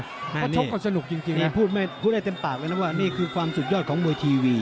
เขาชกกันสนุกจริงพูดได้เต็มปากเลยนะว่านี่คือความสุดยอดของมวยทีวี